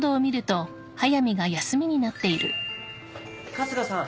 春日さん。